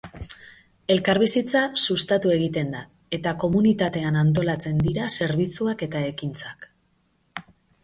Elkarbizitza sustatu egiten da, eta komunitatean antolatzen dira zerbitzuak eta ekintzak.